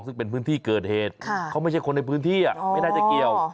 ซึ่งเป็นพื้นที่เกิดเหตุเขาไม่ใช่คนในพื้นที่ไม่น่าจะเกี่ยว